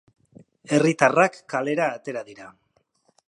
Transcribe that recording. Herritarrak kalera atera dira.